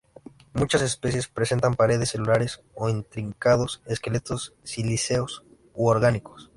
Muchas especies presentan paredes celulares o intrincados esqueletos silíceos u orgánicos.